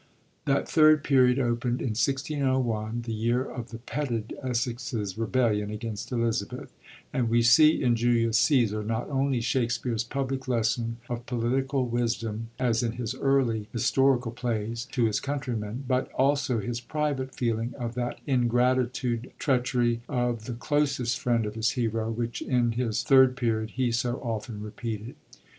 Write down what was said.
That Third Period opend in 1001, the year of the petted Essex's rebellion against Elizabeth; and we see in Julius Cceaar, not only Shakspere*s public lesson of political wisdom (as in his early Historical Plays) to his countrymen, but also his private feeling of that ingratitude, treachery, of the closest friend of his hero, which in his Third Period he so often repeated.